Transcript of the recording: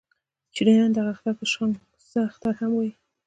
چينایان دغه اختر ته شانګ سه اختر هم وايي.